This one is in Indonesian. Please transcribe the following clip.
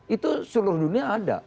itu seluruh dunia ada